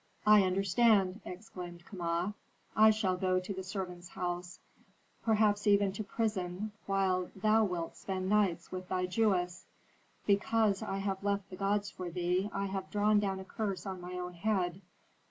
"I understand!" exclaimed Kama. "I shall go to the servants' house, perhaps even to prison, while thou wilt spend nights with thy Jewess. Because I have left the gods for thee I have drawn down a curse on my own head.